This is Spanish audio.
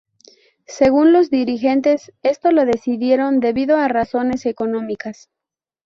Según los dirigentes, esto lo decidieron debido a razones económicas.